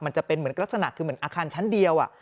มันจะเป็นเหมือนลักษณะคือเหมือนอาคารชั้นเดียว